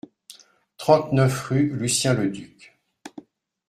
trente-neuf rue Lucien Leducq